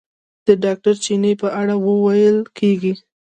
د ډاکټر چیني په اړه ویل کېږي.